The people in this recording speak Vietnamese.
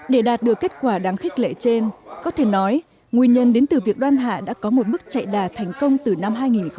để đạt được kết quả đáng khích lệ trên có thể nói nguyên nhân đến từ việc đoan hạ đã có một bước chạy đà thành công từ năm hai nghìn một mươi